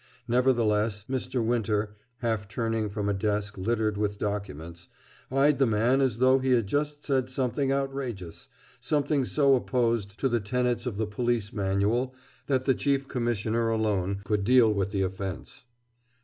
Nevertheless, Mr. Winter, half turning from a desk littered with documents, eyed the man as though he had just said something outrageous, something so opposed to the tenets of the Police Manual that the Chief Commissioner alone could deal with the offense.